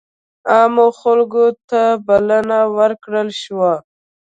عامو خلکو ته بلنه ورکړل شوه.